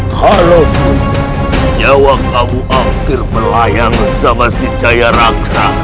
kalau pun nyawa kamu akhir melayang sama si jaya raksa